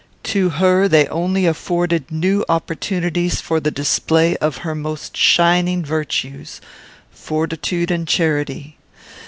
To her they only afforded new opportunities for the display of her most shining virtues, fortitude and charity.